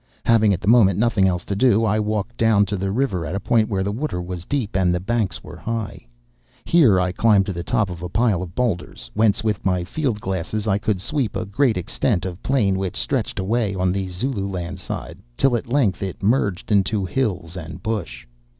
Having at the moment nothing else to do, I walked down to the river at a point where the water was deep and the banks were high. Here I climbed to the top of a pile of boulders, whence with my field glasses I could sweep a great extent of plain which stretched away on the Zululand side till at length it merged into hills and bush.